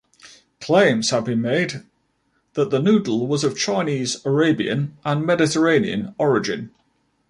Claims have been made that the noodle was of Chinese, Arabian and Mediterranean origin.